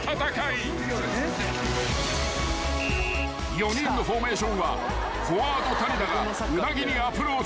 ［４人のフォーメーションはフォワード谷田がウナギにアプローチ］